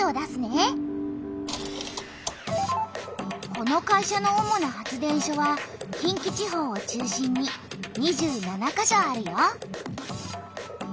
この会社の主な発電所は近畿地方を中心に２７か所あるよ。